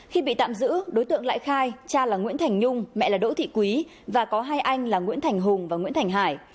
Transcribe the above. khi bị tạm giữ đối tượng lại khai cha là nguyễn thành nhung mẹ là đỗ thị quý và có hai anh là nguyễn thành hùng và nguyễn thành hải